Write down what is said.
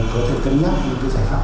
có thể cân nhắc những cái giải pháp